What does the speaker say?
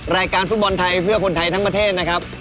รายการฟุตบอลไทยเพื่อคนไทยทั้งประเทศนะครับ